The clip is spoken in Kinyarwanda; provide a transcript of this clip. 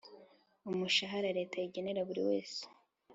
umushahara leta igenera buri wese